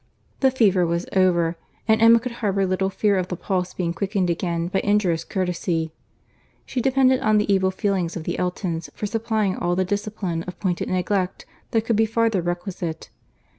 The fever was over, and Emma could harbour little fear of the pulse being quickened again by injurious courtesy. She depended on the evil feelings of the Eltons for supplying all the discipline of pointed neglect that could be farther requisite.